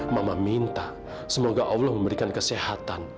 mama minta semoga allah memberikan kesehatan